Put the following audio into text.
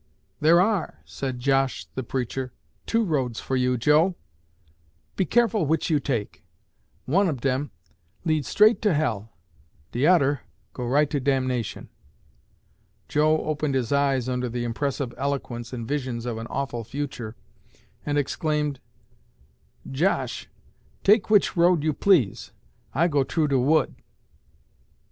'There are,' said Josh the preacher, 'two roads for you, Joe. Be careful which you take. One ob dem leads straight to hell, de odder go right to damnation.' Joe opened his eyes under the impressive eloquence and visions of an awful future, and exclaimed, 'Josh, take which road you please; I go troo de wood.'